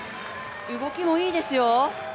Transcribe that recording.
動きもいいですよ。